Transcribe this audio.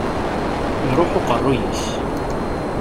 Iruḥ uqerruy-is.